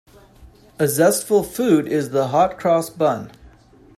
A zestful food is the hot-cross bun.